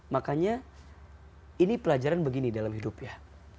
makanya ini pelajaran begini dalam hidup ya